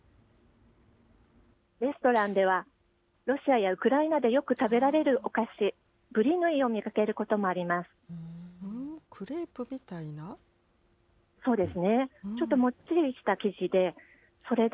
レストランでは、ロシアやウクライナでよく食べられるお菓子、ブリヌイを見かけることもあります。